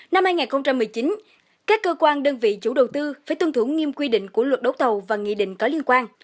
năm hai nghìn một mươi chín các cơ quan đơn vị chủ đầu tư phải tuân thủ nghiêm quy định của luật đấu thầu và nghị định có liên quan